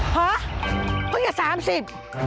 หาเพิ่งจะสามสิบ